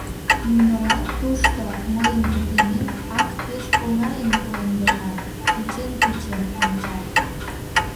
Нунылан тушто мыйын вургемем ак пеш оҥайын койын докан: кучен-кучен ончат.